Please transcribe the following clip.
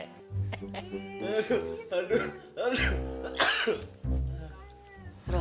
aduh aduh aduh